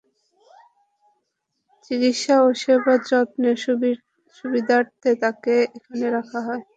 চিকিৎসা ও সেবা যত্নের সুবিধার্থে তাকে এখানে রাখা হয়।